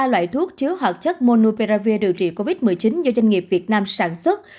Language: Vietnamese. ba loại thuốc chứa hoạt chất monuperavir điều trị covid một mươi chín do doanh nghiệp việt nam sản xuất